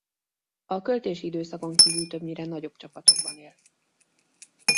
A költési időszakon kívül többnyire nagyobb csapatokban él.